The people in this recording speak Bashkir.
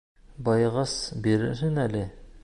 Байығас, бирерһең әле.